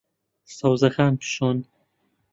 سەوزەکان بشۆن.